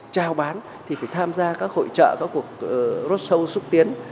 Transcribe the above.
trao bán thì phải tham gia các hội trợ các cuộc rodshow xúc tiến